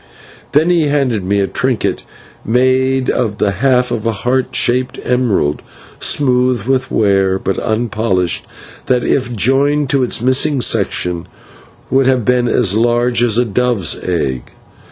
Then he handed me a trinket made of the half of a heart shaped emerald, smooth with wear, but unpolished, that, if joined to its missing section, would have been as large as a dove's egg.